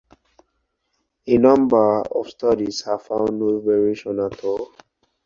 A number of studies have found no variation at all.